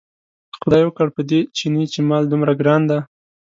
که خدای وکړ په دې چیني چې مال دومره ګران دی.